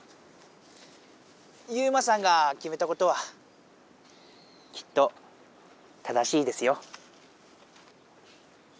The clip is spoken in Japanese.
ユウマさんがきめたことはきっと正しいですよ。